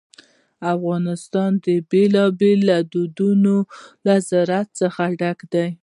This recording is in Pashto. افغانستان د بېلابېلو ډولونو له زراعت څخه ډک دی.